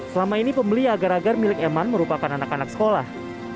selama ini pembeli agar agar milik eman merupakan anak anak sekolah